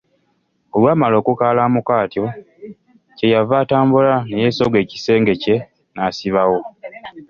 Olwamala okukaalamuka atyo, kye yava atambula ne yesogga ekisenge kye n'asibawo.